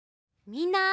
みんな！